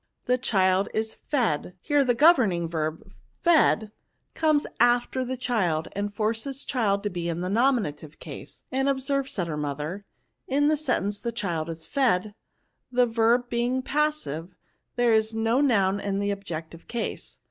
The child is fed^ Here the governing verb, fed^ comes NOUNS, 149 after the child, and forces child to be in th« nominative case." '* And observe," said her mother, '* in the sentence, the child is fedy the verb being passive, there is no noun in the objective case.